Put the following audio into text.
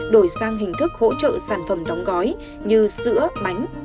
đổi sang hình thức hỗ trợ sản phẩm đóng gói như sữa bánh